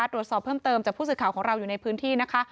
ตรวจสอบเพิ่มเติมจากผู้สื่อข่าวของเราอยู่ในพื้นที่นะคะ